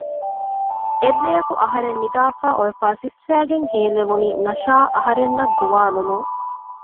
އެއްރެއަކު އަހަރެން ނިދާފައި އޮވެފައި ސިއްސައިގެން ހޭލެވުނީ ނަޝާ އަހަރެންނަށް ގޮވާލުމުން